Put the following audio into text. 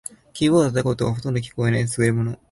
キーボードを叩く音がほとんど聞こえない優れもの